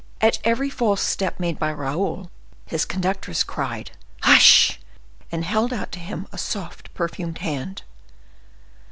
At every false step made by Raoul, his conductress cried, "Hush!" and held out to him a soft perfumed hand.